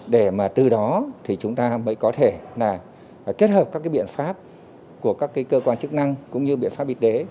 để mà từ đó thì chúng ta mới có thể là kết hợp các cái biện pháp của các cơ quan chức năng cũng như biện pháp y tế